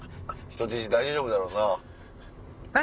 「人質大丈夫だろうな？」。